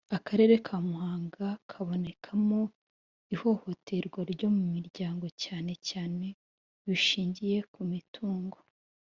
Akarere ka Muhanga kabonekamo ihohoterwa ryo mu miryango cyane cyane bishingiye ku mitungo